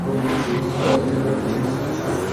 তিনি ভারতীয় medical service কাজ করিয়া অবসর নেন।